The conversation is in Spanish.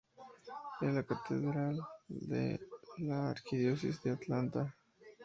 Es la catedral de la Arquidiócesis de Atlanta.